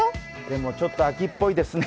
でもちょっと秋っぽいですね。